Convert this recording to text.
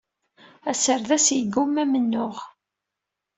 Aserdas yeggumma amennuɣ.